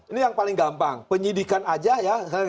ini yang paling gampang penyidikan saja ya hak penyidik